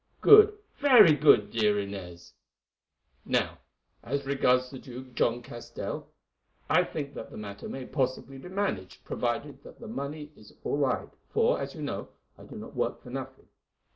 Good, very good, dear Inez. "'Now, as regards the Jew, John Castell. I think that the matter may possibly be managed, provided that the money is all right, for, as you know, I do not work for nothing.